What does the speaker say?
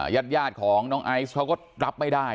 ญาติของน้องไอซ์เขาก็รับไม่ได้